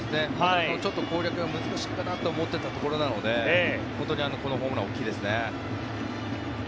ちょっと攻略が難しいかなと思っていたところなので本当にこのホームランは大きいですね。